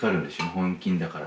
本金だから。